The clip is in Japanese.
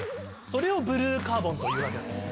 それをブルーカーボンというわけなんです。